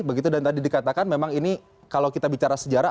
begitu dan tadi dikatakan memang ini kalau kita bicara sejarah